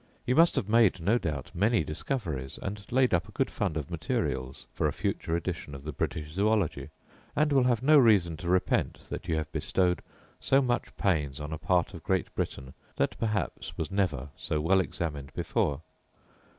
You must have made, no doubt, many discoveries, and laid up a good fund of materials for a future edition of the British Zoology; and will have no reason to repent that you have bestowed so much pains on a part of Great Britain that perhaps was never so well examined before.